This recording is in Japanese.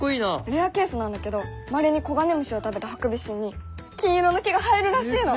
レアケースなんだけどまれに黄金虫を食べたハクビシンに金色の毛が生えるらしいの！